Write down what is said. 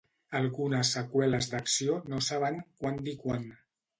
Algunes seqüeles d'acció no saben quan dir quan.